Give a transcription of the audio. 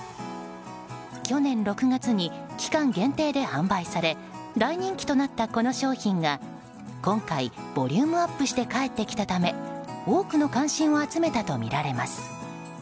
去年６月に期間限定で販売され大人気となったこの商品が今回、ボリュームアップして帰ってきたため多くの関心を集めたとみられます。